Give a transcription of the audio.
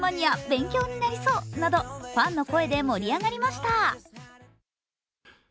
勉強になりそなど、ファンの声で盛り上がりました。